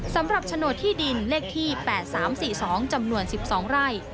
โฉนดที่ดินเลขที่๘๓๔๒จำนวน๑๒ไร่